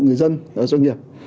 người dân doanh nghiệp